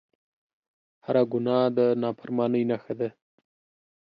هر ګناه د نافرمانۍ نښه ده